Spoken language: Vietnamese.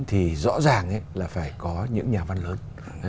thì rõ ràng là phải có những nhà văn lớn